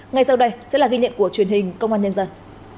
ngay sau đây sẽ là ghi nhận của truyền hình công an nhân dân